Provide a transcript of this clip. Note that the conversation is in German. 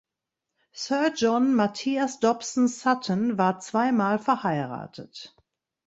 Sir John Matthias Dobson Sutton war zwei Mal verheiratet.